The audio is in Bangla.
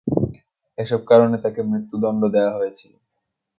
এসব কারণে তাকে মৃত্যুদন্ড দেয়া হয়েছিল।